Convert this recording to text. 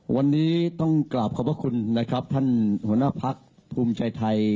วันนี้ต้องกราบขอบพระคุณนะครับท่านหัวหน้าพักภูมิใจไทย